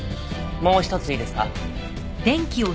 もう一ついいですか？